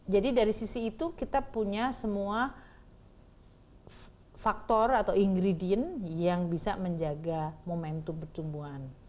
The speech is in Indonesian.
jadi dari sisi itu kita punya semua faktor atau ingredient yang bisa menjaga momentum pertumbuhan